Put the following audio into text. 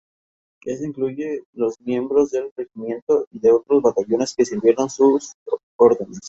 En La Torrecilla aparecen restos de un asentamiento rural.